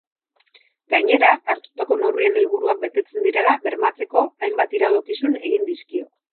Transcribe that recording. Gainera, hartutako neurrien helburuak betetzen direla bermatzeko hainbat iradokizun egin dizkio.